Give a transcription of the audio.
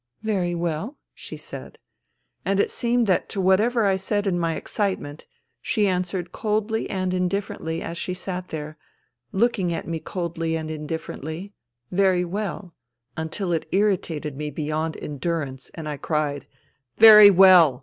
" Very well," she said. And it seemed that to whatever I said in my excitement, she answered coldly and indifferently as she sat there, looking at me coldly and indifferently, " Very well," until it irritated me beyond en durance, and I cried : ^^Very well!